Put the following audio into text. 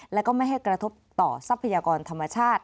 และก็ไม่ให้กระทบต่อทรัพยากรธรรมชาติ